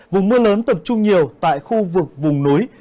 vùng mưa lớn tập trung nhiều tại khu vực vùng núi